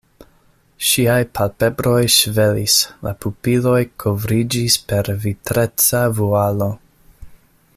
Ŝiaj palpebroj ŝvelis, la pupiloj kovriĝis per vitreca vualo.